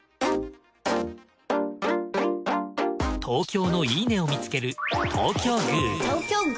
東京のいいね！を見つける。